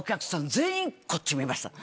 全員こっち見ました。